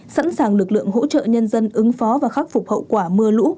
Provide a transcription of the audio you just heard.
sẵn sàng lực lượng hỗ trợ nhân dân ứng phó và khắc phục hậu quả mưa lũ